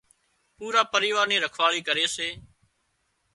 پورا پريوار ني رکواۯي ڪري سي